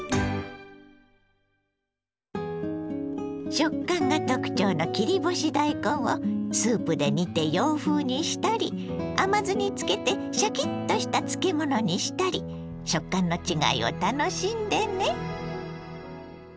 食感が特徴の切り干し大根をスープで煮て洋風にしたり甘酢に漬けてシャキッとした漬物にしたり食感の違いを楽しんでね。